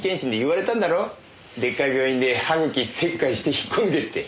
でっかい病院で歯茎切開して引っこ抜けって。